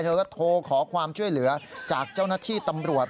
เธอก็โทรขอความช่วยเหลือจากเจ้าหน้าที่ตำรวจ